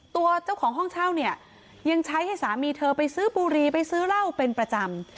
ตัวเจ้าของห้องเช่าเนี่ยยังใช้ให้สามีเธอไปซื้อบุรีไปซื้อเหล้าเป็นประจำ